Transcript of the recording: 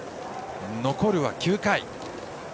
残るは９回。